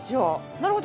なるほど。